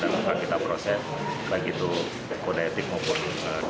dan akan kita proses baik itu kodetik maupun